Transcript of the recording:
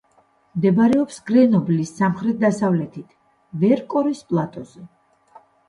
მდებარეობს გრენობლის სამხრეთ-დასავლეთით, ვერკორის პლატოზე.